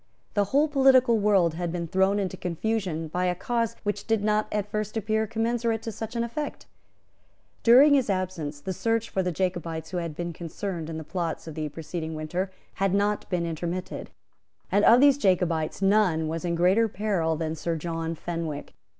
The whole political world had been thrown into confusion by a cause which did not at first appear commensurate to such an effect. During his absence, the search for the Jacobites who had been concerned in the plots of the preceding winter had not been intermitted; and of these Jacobites none was in greater peril than Sir John Fenwick.